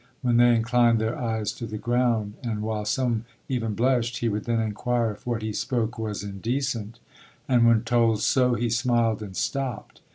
When they inclined their eyes to the ground, and while some even blushed, he would then inquire if what he spoke was indecent; and, when told so, he smiled, and stopped.